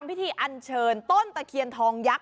พิธีอันเชิญต้นตะเคียนทองยักษ